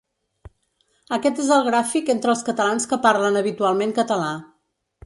Aquest és el gràfic entre els catalans que parlen habitualment català.